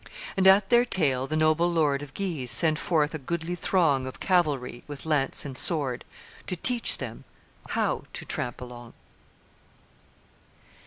And at their tail the noble Lord Of Guise sent forth a goodly throng Of cavalry, with lance and sword, To teach them how to tramp along."